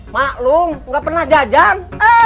maklum enggak pernah jajang